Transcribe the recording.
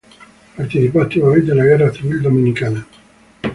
Participó activamente en la guerra civil dominicana.